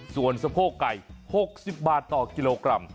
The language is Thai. ส่วนสะโพกไก่๖๐บาทต่อกิโลกรัม